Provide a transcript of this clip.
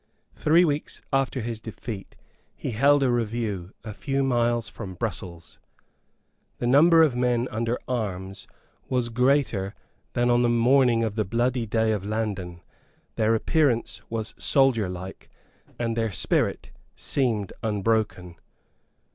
Three weeks after his defeat he held a review a few miles from Brussels. The number of men under arms was greater than on the morning of the bloody day of Landen; their appearance was soldierlike; and their spirit seemed unbroken.